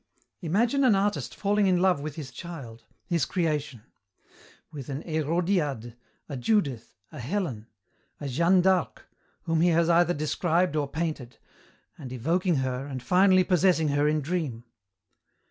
"Imagine an artist falling in love with his child, his creation: with an Hérodiade, a Judith, a Helen, a Jeanne d'Arc, whom he has either described or painted, and evoking her, and finally possessing her in dream.